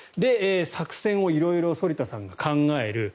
作戦を色々反田さんが考える。